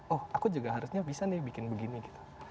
oh aku juga harusnya bisa nih bikin begini gitu